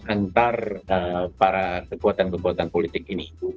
antara para kekuatan kekuatan politik ini